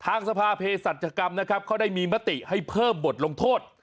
ทางสภาเพศสัจกรรมนะครับเขาได้มีมติให้เพิ่มบทลงโทษ